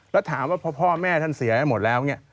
แล้วถามว่าพ่อแม่ท่านเสียให้หมดแล้ว